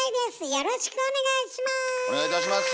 よろしくお願いします。